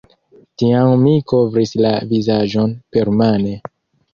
Tiam mi kovris la vizaĝon permane.